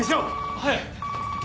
はい！